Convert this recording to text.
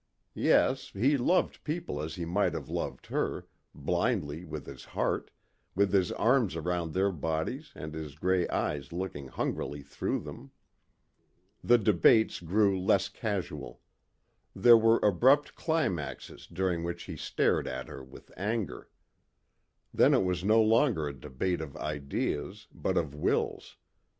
Yes, he loved people as he might have loved her, blindly with his heart, with his arms around their bodies and his grey eyes looking hungrily through them. The debates grew less casual. There were abrupt climaxes during which he stared at her with anger. Then it was no longer a debate of ideas but of wills.